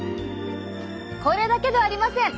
これだけではありません！